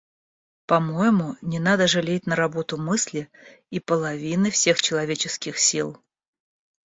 По-моему, не надо жалеть на работу мысли и половины всех человеческих сил.